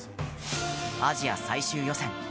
アジア最終予選。